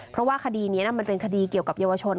เพราะว่าคดีนี้มันเป็นคดีเกี่ยวกับเยาวชน